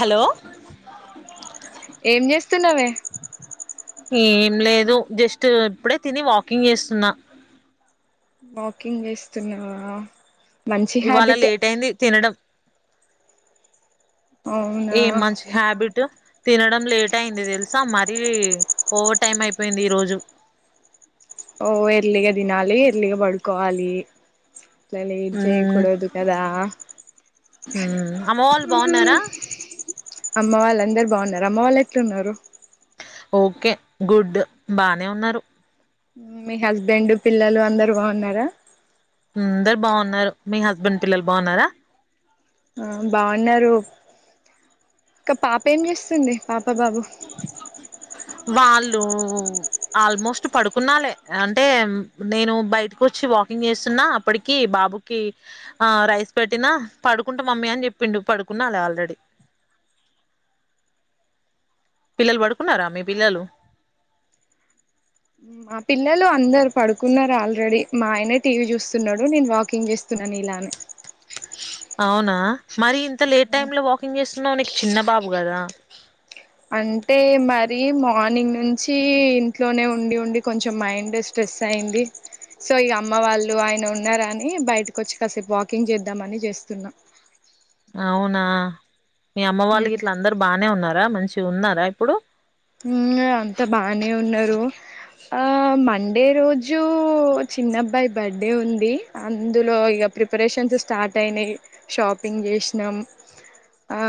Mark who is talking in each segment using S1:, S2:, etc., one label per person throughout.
S1: Hello
S2: ఏం చేస్తున్నావే
S1: ఏం లేదు జస్ట్ ఇప్పుడే తిని వాకింగ్ చేస్తున్నా
S2: వాకింగ్ చేస్తున్నావా మంచి
S1: ఇవాళ
S2: హ్యాబిటే
S1: లేట్ అయింది తినడం
S2: అవునా
S1: ఏ మంచి హ్యాబిటు తినడం లేట్ అయింది తెలుసా మరీ ఓవర్ టైమ్ అయిపోయింది ఈ రోజు
S2: ఓ ఎర్లిగా తినాలి ఎర్లిగ పడుకోవాలి అట్లజ జయి కుడోదు కదా
S1: ఉం అమ్మ వాళ్ళు
S2: మ్మ్.
S1: బాగున్నారా
S2: అమ్మ వాళ్ళ అందరు బాగున్నారు అమ్మ వాళ్ళు ఎట్లున్నారు
S1: ఓకే గుడ్ బానే ఉన్నారు
S2: మీ హస్బెండ్ పిల్లలు అందరు బాగున్నారా
S1: అందరు బాగున్నారు మీ హస్బెండ్ పిల్లలు బాగున్నారా
S2: ఆ బాగున్నారు ఇంకా పాప ఏం చేస్తుంది పాప ప్ప బాబు
S1: ఇడు ఆల్మోస్ట్ పడుకున్నాాలే అంటే నేను బయటకు వచ్చి వాకింగ్ చేస్తున్నా అప్పటికి బాబుకి ఆ రైస్ పెట్టినా పడుకుంటా మమ్మీ అని చెప్పిండు పడుకున్నాలే ఆల్రెడీ పిల్లలు పడుకున్నారా మీ పిల్లలు
S2: మా పిల్లలు అందరు పడుకున్నారు ఆల్రెడీ మా ఆయనే టీవీ చూస్తున్నాడు నేను వాకింగ్ చేస్తున్నా నీలానే
S1: అవునా మరి ఇంత లేట్ టైమ్ లో వాకింగ్ చేస్త న్నికి చిన్న బాబు కదా
S2: అంటే మరి మార్నింగ్ నుంచి ఇంట్లోనే ఉండి ఉండి కొంచెం మైండ్ స్ట్రెస్ అయింది సో ఇక అమ్మ వాళ్ళు ఆయన ఉన్నారని బయటకు వచ్చి కాసేపు వాకింగ్ చేద్దామని చేస్తున్నా
S1: అవునా మీ అమ్మ వాళ్ళకి ఇట్ల అందరూ బాగానే ఉన్నారా మంచి ఉన్నారా ఇప్పుడు
S2: అంత బానే ఉన్నారు ఆ మండే రోజు చిన్నబ్బాయి బర్త్డే ఉంది అందులో ఇక ప్రిపరేషన్స్ స్టార్ట్ అయినాయి షాపింగ్ చేసినాం ఆ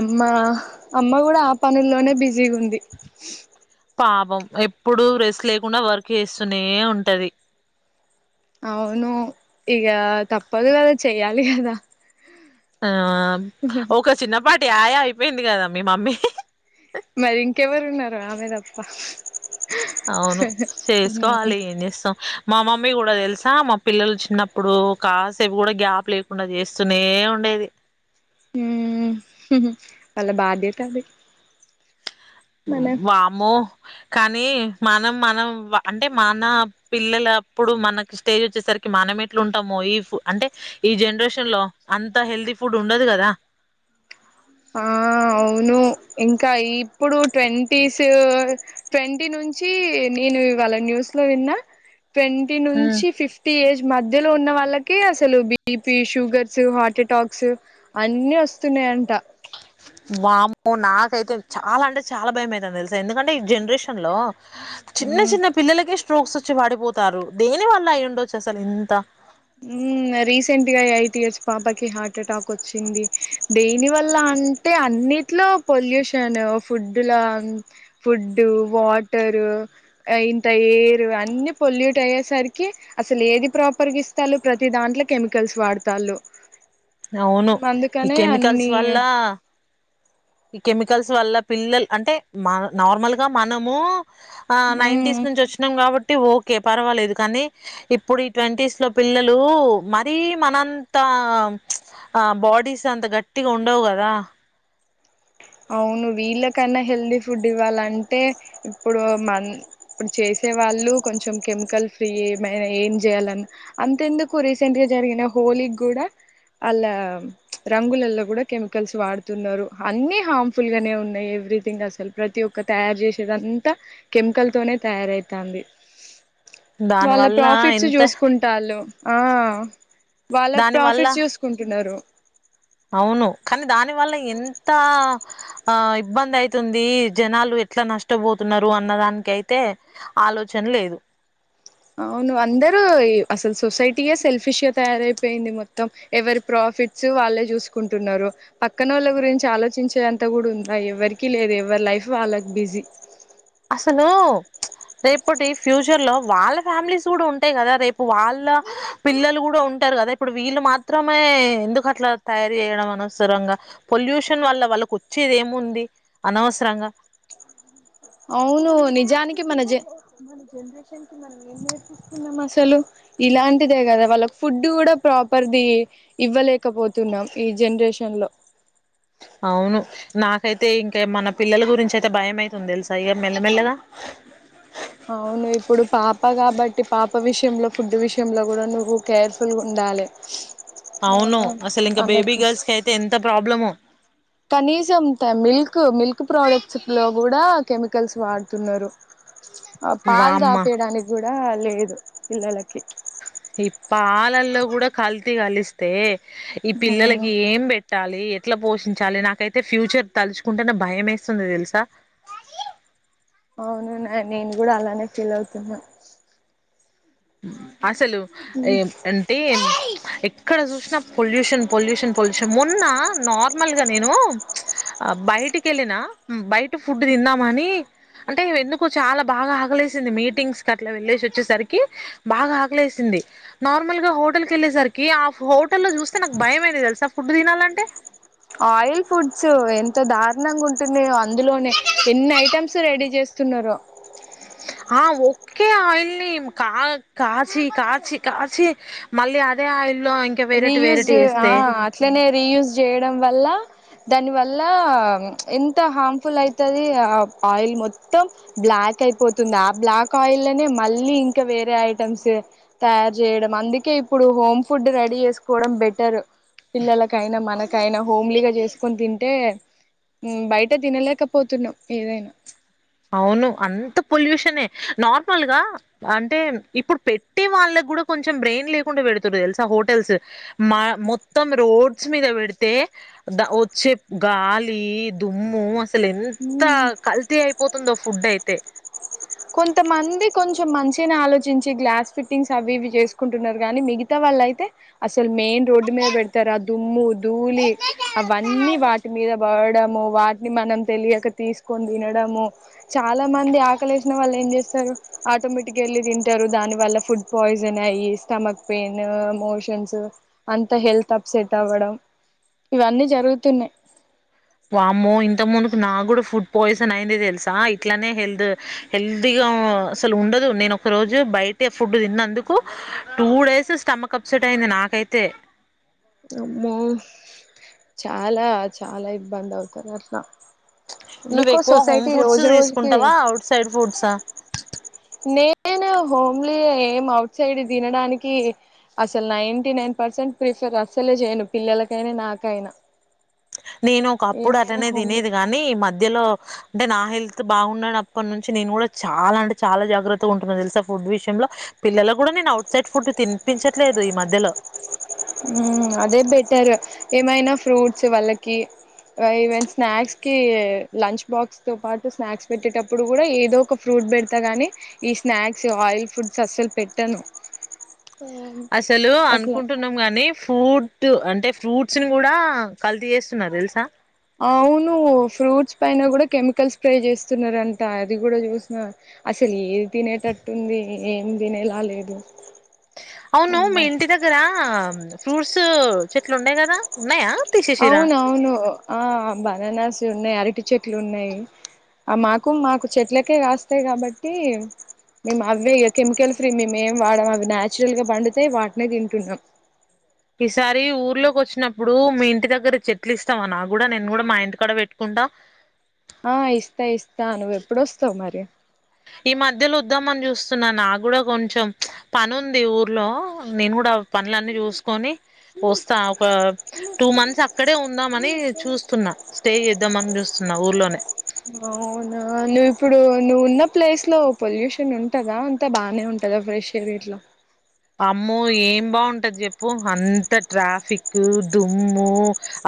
S2: అమ్మ అమ్మ కూడా ఆ పనుల్లోనే బిజీగా ఉంది
S1: పాపం ఎప్పుడు రెస్ట్ లేకుండా వర్క్ చేస్తూనే ఉంటది
S2: అవును ఇక తప్పదు కదా చెయ్యాలి కదా
S1: ఆ ఒక చిన్నపాటి ఆయా అయిపోయింది కదా మీ మమ్మీ
S2: మరి ఇంకెవరు ఉన్నారు ఆమె తప్ప
S1: అవును చేసుకోవాలి ఏం చేస్తాం మా అమ మమ్మీ కూడా తెలుసా మా పిల్లలు చిన్నప్పుడు కాసేపు కూడా గ్యాప్ లేకుండా చేస్తూనే ఉండేది
S2: ఆ వాళ బాధ్యత అది మన
S1: వామో కానీ మనం మనం అంటే మన పిల్లల అప్పుడు మనకి స్టేజ్ వచ్చేసరికి మనం ఎట్లు ఉంటామో అంటే ఈ జనరేషన్ లో అంత హెల్తీ ఫుడ్ ఉండదు కదా
S2: ఆ అవును ఇంకా ఇప్పుడు ట్వంటీస్ ట్వంటీ నుంచి నేను ఇవాళ న్యూస్ లో విన్నా ట్వంటీ
S1: హ్మ్
S2: నుంచి ఫిఫ్టీ ఏజ్ మధ్యలో ఉన్న వాళ్ళకి అసలు బీపి షుగర్స్ హార్ట్ అటాక్స్ అన్ని వస్తున్నాయంట
S1: వామ్మో నాకైతే చాలా అంటే చాలా భయమైతాంది తెలుసా ఎందుకంటే ఈ జనరేషన్ లో చిన్న
S2: ఉమ్
S1: చిన్న పిల్లలకే స్ట్రోక్స్ వచ్చి పడిపోతారు దేని వల్ల అయి ఉండొచ్చు అసలు ఎంత
S2: ఊ రీసెంట్గా ఎయిట్ ఇయర్స్ పాపకి హార్ట్ అటాక్ వచ్చింది దేనివల్ల అంటే అన్నిట్లో పొల్యూషన్ ఫుడ్డుల ఫుడ్డు వాటరు ఇంత ఎయిర్ అన్నిీ పొల్యూట్ అయ్యేసరికి అసలు ఏది ప్రాపర్గా ఇ లు ప్రతి దాంట్లో కెమికల్స్ వాడతాళ్ళు
S1: అవును ఈ
S2: అందుకనే
S1: కెమికల్స్
S2: అన్ని
S1: వల్ల ఈ కెమికల్స్ వల్ల పిల్లలు అంటే మన నార్మల్ గా మనము ఆ
S2: మ్మ్
S1: నైంటీస్ నుంచి వచ్చినాం కాబట్టి ఓకే పర్వాలేదు కానీ ఇప్పుడు ఈ ట్వంటీస్ లో పిల్లలు మరీ మనంతా ఆ బాడీస్ అంత గట్టిగా ఉండవ్ గదా
S2: అవును వీళ్ళకైనా హెల్దీ ఫుడ్ ఇవ్వాలంటే ఇప్పుడు మ ఇప్పుడు చేసే వాళ్ళు కొంచెం కెమికల్ ఫ్రీ ఏమైనా ఏం చేయాలని అంతెందుకు రీసెంట్ గా జరిగిన హోలీకి కూడా వాళ్లా రంగులలో కూడా కెమికల్స్ వాడుతున్నారు అన్నిీ హార్మ్ఫుల్ గానే ఉన్నాయి ఎవ్రీథింగ్ అసలు ప్రతి ఒక్క తయారు చేసేదంతా కెమికల్ తోనే తయారవుతుంది
S1: దాని
S2: వాళ్ళ
S1: వల్ల
S2: ప్రాఫిట్స్
S1: ఎంత
S2: చూసుకుంటాళ్ళు ఆ వాళ్ళ
S1: దాని వల్ల
S2: ప్రాఫిట్ చూసుకుంటున్నారు
S1: అవును కానీ దాని వల్ల ఎంత ఆ ఇబ్బంది అయితుంది జనాలు ఎట్లా నష్టపోతున్నారు అన్నదానికి అయితే ఆలోచన లేదు
S2: అవును అందరూ అసలు సొసైటీగా సెల్ఫిష్ గా తయారైపోయింది మొత్తం ఎవరి ప్రాఫిట్స్ వాళ్ళే చూసుకుంటున్నారు పక్కనోళ్ళ గురించి ఆలోచించే అంత కూడా ఉందా ఎవరికి లేదు ఎవరి లైఫ్ వాళ్ళకి బిజీ
S1: అసలు రేపటి ఫ్యూచర్ లో వాళ్ళ ఫ్యామిలీస్ కూడా ఉంటాయి కదా రేపు వాళ్ళ పిల్లలు కూడా ఉంటారు కదా ఇప్పుడు వీళ్ళు మాత్రమే ఎందుకు అట్లా తయారు చేయడం అనవసరంగా పొల్యూషన్ వల్ల వాళ్ళకు వచ్చేది ఏముంది అనవసరంగా
S2: అవును నిజానికి మన జ మన జనరేషన్ క మనం ఏం నేర్పిస్తున్నాం అసలు ఇలాంటిదే కదా వాళ్ళకి ఫుడ్ కూడా ప్రాపర్ది ఇవ్వలేకపోతున్నాం ఈ జనరేషన్ లో
S1: అవును నాకైతే ఇంకా మన పిల్లల గురించి అయితే భయం అయితుంది తెలుసా ఇక మెల్లమెల్లగా
S2: అవును ఇప్పుడు పాప కాబట్టి పాప విషయంలో ఫుడ్ విషయంలో కూడా నువ్వు కేర్ఫుల్గ ఉండాలి ఆ
S1: అవును అసలు ఇంకా బేబీ
S2: ఆమెకు
S1: గర్ల్స్ కి అయితే ఎంత ప్రాబ్లము
S2: కనీసం మిల్క్ మిల్క్ ప్రోడక్ట్స్ లో కూడా కెమికల్స్ వాడుతున్నారు ఆ పాలు
S1: వామ్మ
S2: తాపేయడానికి కూడా లేదు పిల్లలకి
S1: ఇప్పాలల్లో కూడా కల్త కలిస్తే ఈ పిల్లలకి ఏం పెట్ట ట్టాలి ఎట్లా పోషించాలి నాకైతే ఫ్యూచర్ తలుచుకుంటేనే భయం వేస్తుంది తెలుసా
S2: అవును నేను కూడా అలానే ఫీల్ అవుతున్నా
S1: అ అసలు ఏం అంటే ఎ ఎక్కడ చూసినా పొల్యూషన్ పొల్యూషన్ పొల్యూషన్. మొన్న నార్మల్గా నేను బయటికి వెళ్ళిన బయట ఫుడ్ తిందామని, అంటే ఎందుకు చాలా బాగా ఆకలేసింది. మీటింగ్స్కి అట్లా వెళ్ళేసి వచ్చేసరికి. బాగా ఆకలేసింది. నార్మల్ గా హోటల్ కి వెళ్ళేసరికి, ఆ హోటల్లో చూస్తే నాకు భయమయింది తెలుసా. ఫుడ్ తినాలంటే
S2: ఆయిల్ ఫుడ్స్ ఎంత దారుణంగా ఉంటున్నాయో అందులోనే ఎన్ని ఐటమ్స్ రెడీ చేస్త ఉన్నరో
S1: ఆ ఒకే ఆయిల్ని కా కాచి కాచి కాచి మళ్ళీ అదే ఆయిల్
S2: రీయూజ్ ఆ అట్లనే రీయూజ్ చేయడం వల్ల దాని వల్ల ఎంత హార్మ్ఫుల్ అయితది. ఆ ఆయిల్ మొత్తం బ్లాక్ అయిపోతుంది. ఆ బ్లాక్ ఆయిల్నే మళ్ళీ ఇంకా వేరే ఐటమ్స్ తయారు చేయడం. అందుకే ఇప్పుడు హోమ్ ఫుడ్ రెడీ చేసుకోవడం బెటర్ పిల్లలక్ కై నా మనకైన హోమ్లీగా చేస్త కొని తింటే బయట తినలేకపోతున్నాం ఏదైనా
S1: అవును అంత పొల్యూషనే నార్మల్ గా అంటే, ఇప్పుడు పెట్టే వాళ్ళకి కూడా కొంచెం బ్రెయిన్ లేకుండా పెడుతురు తెలుసా హోటల్స్. మా మొత్తం రోడ్ డ్స్ మీద పెడితే ద వచ్చే గాలి దుమ్ము అసలు ఎంత కలల్తీ అయిపో స్తుందో ఫుడ్ అయితే
S2: కొంతమంది కొంచెం మంచిగానే ఆలోచించి గ్లాస్ ఫిట్టింగ్స్ అవి ఇవి చేసుకుంటున్నారు కానీ, మిగతా వాళ్ళ అయితే అసలు మెయిన్ రోడ్ మీద పెడతారా దుమ్ము, దూ ధూళి అవన్నీ వాటి మీద బ వాటిని మనం తెలియక తీసుకొని తినడము చాలా మంది ఆకలేస్ వాళ్ళు ఏం చేస్తారు ఆటోమేటిక్గా వెళ్ళి తింటారు. దాని వల్ల ఫుడ్ పాయిజన్ అయ్యి, స్టమక్ పెయిన్, మోషన్స్ అంతా హెల్త్ అప్సెట్ అవ్వడం. ఇవన్నీ జరుగుతున్నాయి.
S1: వామ్మో ఇంతకు మునుపు నా కూడా ఫుడ్ పాయిజన్ అయింది తెలుసా ఇట్లానే హెల్త్ హెల్దీగా అసలు ఉండదు. నేను ఒక రోజు బయట ఫుడ్ తిన్నందుకు టూ డేస్ స్టమక్ అప్సెట్ అయింది. నాకైతే
S2: అమ్మో చాలా చాలా ఇబ్బంది అవుతారు అట్లా
S1: నువ్వు
S2: ఎందుకో
S1: ఎక్కువ హోమ్
S2: సొసైటీ
S1: ఫుడ్స్
S2: రోజు రోజుకి
S1: తీసుకుంటావా ఔట్ సైడ్ ఫుడ్స్
S2: నేను హోమ్లీ ఏం అవుట్ సైడ్ తినడానికి, అసలు నైంటీ నైన్ పర్సెంట్ ప్రిఫర్ అసలే చేయను. పిల్లలకైనా నాకైనా.
S1: నేను ఒక అప్పుడు
S2: ఏమైనా
S1: అట్లనే
S2: హోమ్లీ
S1: తినేది కాని ఈ మధ్యలో అంటే నా హెల్త్ బాగుండనప్పటి నుంచి నేను కూడా చాలా అంటే చాలా జాగ్రత్తగా ఉంటున్నాను తెలుసా. ఫుడ్ విషయంలో పిల్లలకు కూడా నేను ఔట్ సైడ్ ఫుడ్ తినిపించట్లేదు. ఈ మధ్యలో
S2: అదే బెటర్ ఏమైనా ఫ్రూట్స్ వాళ్ళకి ఈవెన్ స్నాక్స్కి లంచ్ బాక్స్ తో పాటు స్నాక్స్ పెట్టేటప్పుడు, కూడా ఏదో ఒక ఫ్రూట్ పెడతా కానీ, ఈ స్నాక్స్ ఆయిల్ పు డ్స్ కి అస్సలు పెట్టను.
S1: అసలు
S2: అట్లా
S1: అనుకుంటున్నాం గాని ఫ్రూట్ అంటే ఫ్రూట్స్ ని కూడా కల్తీ చేస్తున్నారు తెలుసా
S2: అవును ఫ్రూట్స్ పైన కూడా కెమికల్ స్ప్రే చేస్తున్నారంట అది కూడా చూసిన అసలు ఏ తినేటట్టుంది. ఏం తినేలా లేదు.
S1: అవును మీ
S2: అమ్మో
S1: ఇంటి దగ్గర ఫ్రూట్స్ చెట్లు ఉన్నాయి కదా ఉన్నాయా తీసేసిరా
S2: అవున అవును ఆ అబ్బాన నా ఉయి అరటి చెట్లు ఉన్నాయి మాకు మాకు చెట్లకే కాస్తాయి కాబట్టి మేము అవే ఇ కెమికల్ ఫ్రీ మే ఏం వాడ అవి నచురల్గా పండిత వాటినే తింటున్నాం
S1: ఈసారి ఊర్లోకి వచ్చినప్పుడు ఇప్పుడు మీ ఇంటి దగ్గర చెట్లు ఇస్తాంని నా కూడా నేను కూడా మా ఇంటి కడ పెట్టుకుంటా
S2: ఆ ఇస్తా ఇస్తా నువ్వు ఎప్పుడుొస్తావు మరి
S1: ఈ మధ్యలో వద్దాం అని చూస్తున్నా నా కూడా కొంచెం పను ఉంది ఊర్లో నేను కూడా పనులన్నీ చూసుకొని వస్తా ఒక టూ మంత్స్ అక్కడే ఉందాంమని చూస్తున్నా స్టే చేద్దామ అని చూస్తున్నా ఊర్లోనే
S2: అవునా నువ్వు ఇప్పుడు నువ్వు ఉన్న ప్లేస్ లో పొల్యూషన్ ఉంటదా అంతా బానే ఉంటదా ఫ్రెష్ ఎయిర్ ఇీట్లో
S1: అమ్మో ఏం బాగుంటది చెప్పు అంత ట్రాఫిక్ దుమ్ము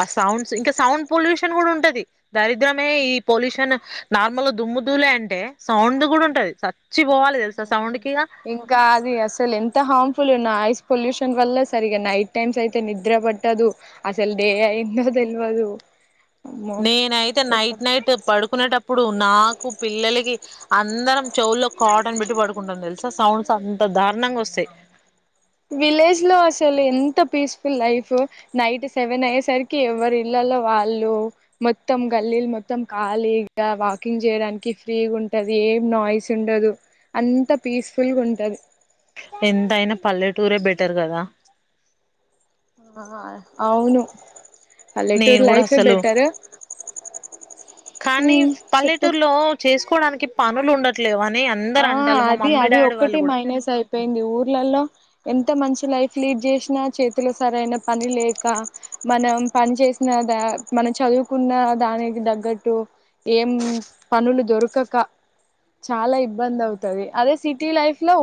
S1: ఆ సౌండ్స్ ఇంకా సౌండ్ పొల్యూషన్ కూడా ఉంటది దరిద్రమే ఈ పొల్యూషన్ నార్మల్ దుమ్ము దూలే అంటే సౌండ్ కూడా ఉంటది సచ్చి పోవాలి తెలుస ఆ సౌండ్ కి ఇగ
S2: ఇంకా అది అసలు ఎంత హాం నాయిస్ పొల్యూషన్ వల్ల సరిగా నైట్ టైమ్స్ అయితే నిద్ర పట్టదు అసలు డే అయిందో తెలియదు
S1: నేనైతే నైట్ నైట్ పడుకునేటప్పుడు నాకు పిల్లలకి అందరం చెౌవుల్లో కాటన్ పెట్టి పడుకుంటాం తెలుసా సౌండ్స్ అంత దారుణంగా వస్తాయి
S2: విలేజ్ లో అసలు ఎంత పీస్ఫుల్ లైఫ్ నైట్ సెవెన్ అయ్యే సరికి ఎవరి ఇళ్లలో వాళ్ళు మొత్తం గల్లీలు మొత్తం ఖాళీగా వాకింగ్ చేయడానికి ఫ్రీగా ఉంటుది ఏం నాయిస్ ఉండదు అంత పీస్ఫుల్గా ఉంటుంది
S1: ఎంతయినా పల్లెటూరే బెటర్ కదా
S2: ఆ అవును
S1: నేను
S2: పల్లెటూరు
S1: కూడా
S2: లైఫే
S1: అసలు
S2: బెటర్
S1: కానీ
S2: చెప్పు
S1: పల్లెటూరులో చేసుకోవడానికి పనులు ఉండట్లే వా
S2: ఆ అది అది ఒక్కటి మైనస్ అయిపోయింది ఊర్లలో ఎంత మంచి లైఫ్ లీడ్ చేసిన చేతిలో సరైన పని లేక మనం పని చేసిన మనం చదువుకున్న దానికి తగ్గట్టు ఏం పనులు దొరకక చాలా బంద అవుతుది అదే సిట్ ైఫ వ